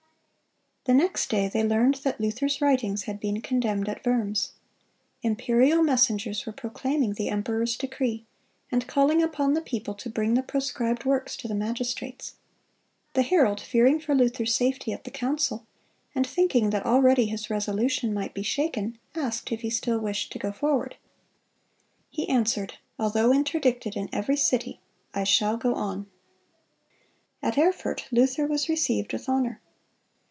The next day they learned that Luther's writings had been condemned at Worms. Imperial messengers were proclaiming the emperor's decree, and calling upon the people to bring the proscribed works to the magistrates. The herald, fearing for Luther's safety at the council, and thinking that already his resolution might be shaken, asked if he still wished to go forward. He answered, "Although interdicted in every city, I shall go on."(207) At Erfurt, Luther was received with honor.